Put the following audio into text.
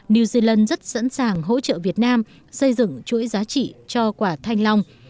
new zealand rất sẵn sàng hỗ trợ việt nam xây dựng chuỗi giá trị cho quả thanh long